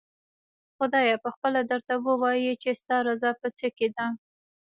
خدای پخپله درته ووايي چې ستا رضا په څه کې ده؟